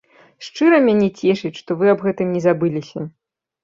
Шчыра мяне цешыць, што вы аб гэтым не забыліся.